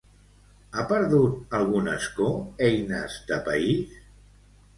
Ha perdut algun escó Eines de País?